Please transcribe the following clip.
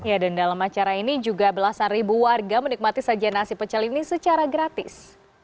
ya dan dalam acara ini juga belasan ribu warga menikmati sajian nasi pecel ini secara gratis